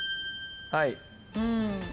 はい。